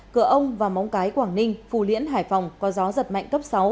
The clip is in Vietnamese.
cửa ông và móng cái quảng ninh phù liễn hải phòng có gió giật mạnh cấp sáu